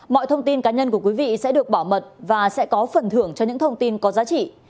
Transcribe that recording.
mọi thông tin cá nhân của quý vị sẽ được bảo mật và sẽ có phần thưởng cho những thông tin có giá trị